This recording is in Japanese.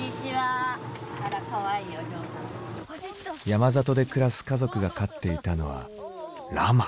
山里で暮らす家族が飼っていたのはラマ。